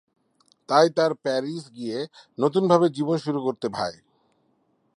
তাই তার প্যারিস গিয়ে নতুনভাবে জীবন শুরু করতে ভায়।